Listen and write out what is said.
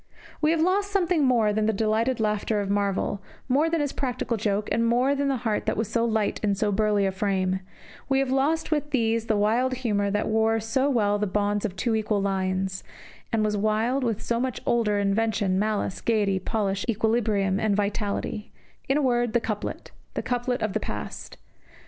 We have lost something more than the delighted laughter of Marvell, more than his practical joke, and more than the heart that was light in so burly a frame we have lost with these the wild humour that wore so well the bonds of two equal lines, and was wild with so much order, invention, malice, gaiety, polish, equilibrium, and vitality in a word, the Couplet, the couplet of the past.